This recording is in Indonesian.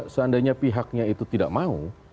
seandainya pihaknya itu tidak mau